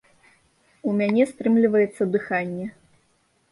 У мяне стрымліваецца дыханне.